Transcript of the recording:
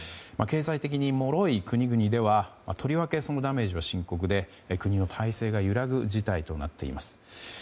経済的にもろい国々ではとりわけ、そのダメージは深刻で国の体制が揺らぐ事態となっています。